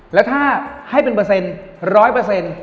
แล้วถ้าให้เป็นเปอร์เซ็นต์๑๐๐